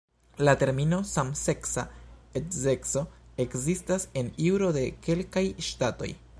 La termino "samseksa edzeco" ekzistas en juro de kelkaj ŝtatoj.